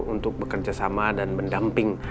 untuk bekerjasama dan mendamping